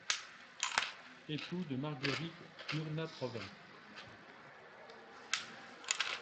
Époux de Marguerite Burnat-Provins.